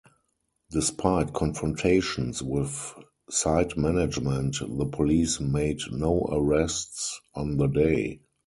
Despite confrontations with site management, the police made no arrests on the day.